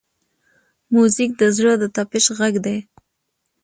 موزیک د زړه د طپش غږ دی.